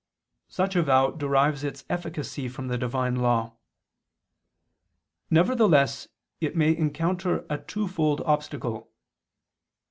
Such a vow derives its efficacy from the divine law. Nevertheless it may encounter a twofold obstacle.